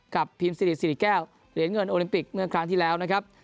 พิมสิริสิริแก้วเหรียญเงินโอลิมปิกเมื่อครั้งที่แล้วนะครับ